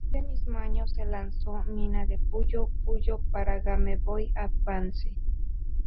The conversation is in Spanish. En este mismo año, se lanzó Minna de Puyo Puyo para Game Boy Advance.